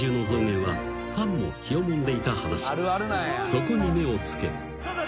［そこに目を付け］